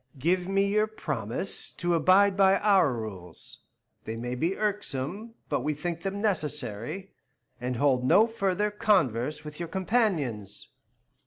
"Give me your promise to abide by our rules, they may be irksome, but we think them necessary, and hold no further converse with your companions."